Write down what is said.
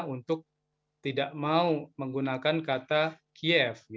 untuk tidak mau menggunakan kata kiev